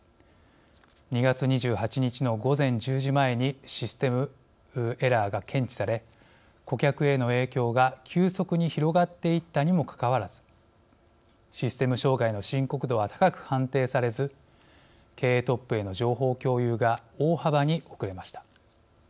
２月２８日の午前１０時前にシステムエラーが検知され顧客への影響が急速に広がっていったにもかかわらずシステム障害の深刻度は高く判定されず経営トップへの情報共有が大幅に遅れました。